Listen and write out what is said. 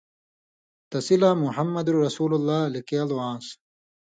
تسی لا 'محمَّد رسول اللّٰہ' لِکېلوۡ آن٘س۔